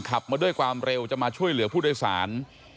ขับมาด้วยความเร็วจะมาช่วยเหลือผู้โดยสาร